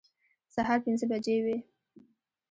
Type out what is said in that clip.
سهار پنځه بجې وې.